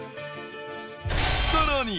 さらに。